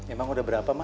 emang udah berapa ma